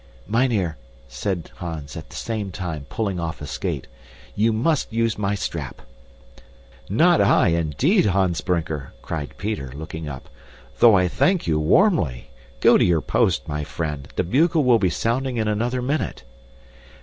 "Mynheer," said Hans, at the same time pulling off a skate, "you must use my strap!" "Not I, indeed, Hans Brinker," cried Peter, looking up, "though I thank you warmly. Go to your post, my friend, the bugle will be sounding in another minute."